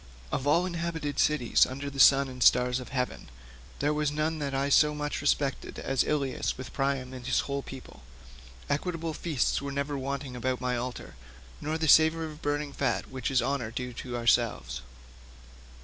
Of all inhabited cities under the sun and stars of heaven, there was none that I so much respected as Ilius with Priam and his whole people. Equitable feasts were never wanting about my altar, nor the savour of burning fat, which is honour due to ourselves."